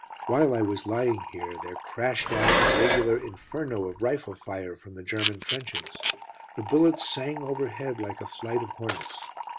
While I was lying here, there crashed out a regular inferno of rifle fire from the German trenches. The bullets sang overhead like a flight of hornets.